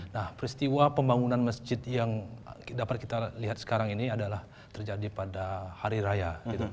nah peristiwa pembangunan masjid yang dapat kita lihat sekarang ini adalah terjadi pada hari raya